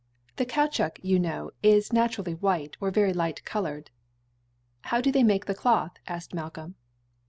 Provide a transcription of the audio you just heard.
The caoutchoue, you know, is naturally white or very light colored." "How do they make the cloth?" asked Malcolm.